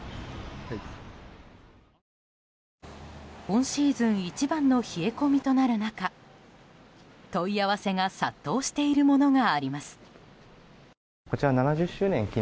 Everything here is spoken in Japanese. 今シーズン一番の冷え込みとなる中問い合わせが殺到しているものがあります。